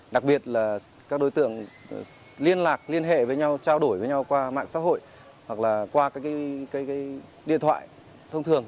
đặc biệt là các đối tượng liên lạc liên hệ với nhau trao đổi với nhau qua mạng xã hội hoặc là qua các điện thoại thông thường